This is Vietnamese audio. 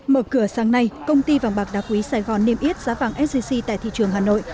mở cửa sáng nay công ty vàng bạc đá quý sài gòn niêm yết giá vàng sgc tại thị trường hà nội